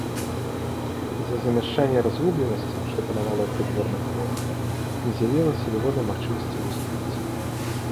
З-за замяшання і разгубленасці, што панавала ў прыдворных колах, не з'явілася ніводнай магчымасці выступіць.